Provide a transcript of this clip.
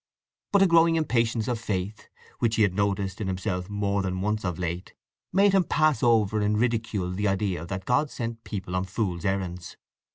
But a growing impatience of faith, which he had noticed in himself more than once of late, made him pass over in ridicule the idea that God sent people on fools' errands.